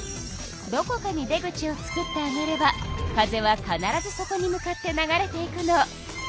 どこかに出口をつくってあげれば風は必ずそこに向かって流れていくの。